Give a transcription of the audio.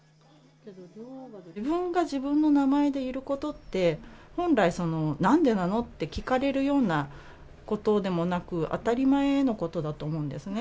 自分が自分の名前でいることって、本来、なんでなの？って聞かれるようなことでもなく、当たり前のことだと思うんですね。